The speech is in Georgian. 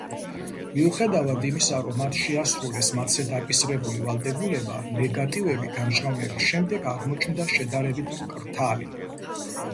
მიუხედავად იმისა რომ მათ შეასრულეს მათზე დაკისრებული ვალდებულება, ნეგატივები გამჟღავნების შემდეგ აღმოჩნდა შედარებით მკრთალი.